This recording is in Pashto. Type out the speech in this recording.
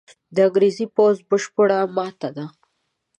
د انګرېزي پوځ بشپړه ماته ده.